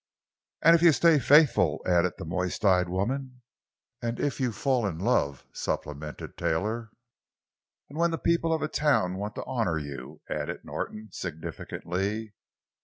"And if you stay faithful," added the moist eyed woman. "And if you fall in love," supplemented Taylor. "And when the people of a town want to honor you," added Norton significantly.